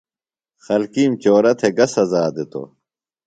خلکِیم چورہ تھےۡ گہ سزا دِتوۡ؟